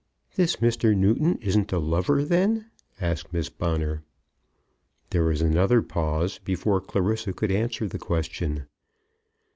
"This Mr. Newton isn't a lover then?" asked Miss Bonner. There was another pause before Clarissa could answer the question.